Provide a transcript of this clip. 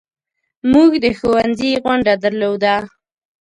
موږ د ښوونځي غونډه درلوده.